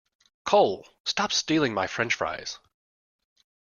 Cole, stop stealing my french fries!